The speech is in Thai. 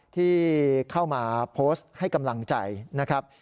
ที่เข้ามาโพสต์ให้กำลังใจนะครับ